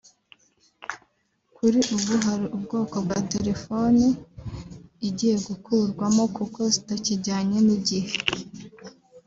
Kuri ubu hari ubwoko bwa telefoni igiye gukurwamo kuko zitakijyanye n’igihe